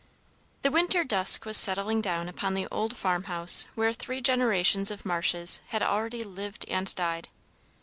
The winter dusk was settling down upon the old farmhouse where three generations of Marshes had already lived and died.